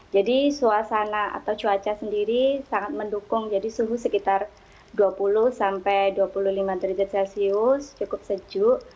jadi suasana atau cuaca sendiri sangat mendukung jadi suhu sekitar dua puluh dua puluh lima derajat celcius cukup sejuk